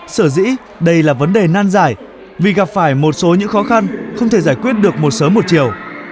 sở dĩ đây là vấn đề nan giải vì gặp phải một số những khó khăn không thể giải quyết được một sớm một chiều